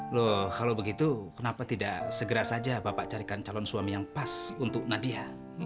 loh kalau begitu kenapa tidak segera saja bapak carikan calon suami yang pas untuk nadia